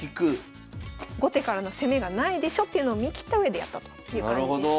後手からの攻めがないでしょっていうのを見切ったうえでやったという感じです。